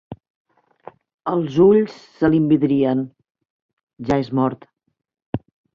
Els ulls se li envidrien: ja és mort.